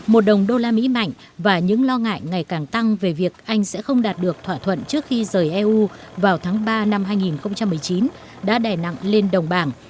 một đồng đô la mỹ mạnh và những lo ngại ngày càng tăng về việc anh sẽ không đạt được thỏa thuận trước khi rời eu vào tháng ba năm hai nghìn một mươi chín đã đè nặng lên đồng bảng